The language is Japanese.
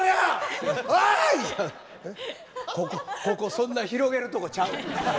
ここそんな広げるとこちゃう。